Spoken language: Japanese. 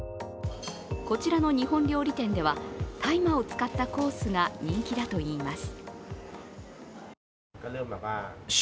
こちらの日本料理店では大麻を使ったコースが人気だといいます。